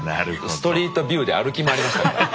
ストリートビューで歩き回りましたから。